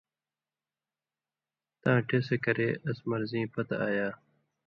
تاں ٹېسہ کرے اَس مرضیں پتہۡ ایا